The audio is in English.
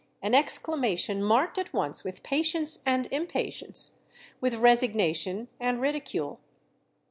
—an exclamation marked at once with patience and impatience, with resignation and ridicule.